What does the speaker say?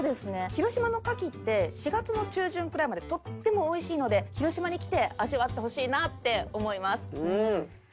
広島の牡蠣って４月の中旬くらいまでとってもおいしいので広島に来て味わってほしいなって思います。